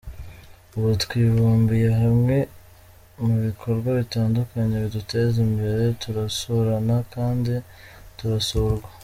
Ubu twibumbiye hamwe mu bikorwa bitandukanye biduteza imbere, turasurana kandi turasurwa’’.